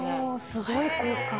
すごい効果！